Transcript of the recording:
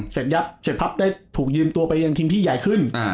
เสร็จปั๊บได้ถูกยืมตัวไปยังทีมที่ใหญ่ขึ้น